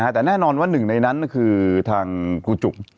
แต่แน่นอนว่าหนึ่งในนั้นก็คือทางครูจุก